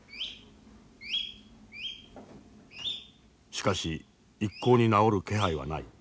しかし一向に治る気配はない。